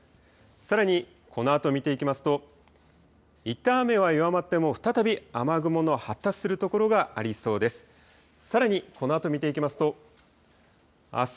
さらにこのあと見ていきますと、いったん雨は弱まっても、再び雨雲の発達する所がありそうです。